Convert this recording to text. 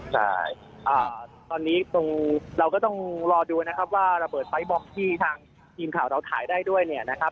ใช่ตอนนี้ตรงเราก็ต้องรอดูนะครับว่าระเบิดไฟล์บอมที่ทางทีมข่าวเราถ่ายได้ด้วยเนี่ยนะครับ